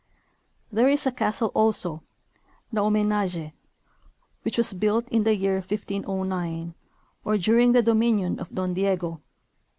There is a castle also, the Homenage, which was built in the year 1509, or during the dominion of Don Diego.